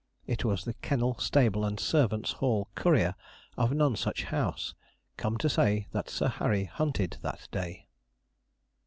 It was the kennel, stable, and servants' hall courier of Nonsuch House, come to say that Sir Harry hunted that day.